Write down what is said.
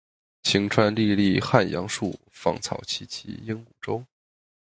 晴川历历汉阳树，芳草萋萋鹦鹉洲。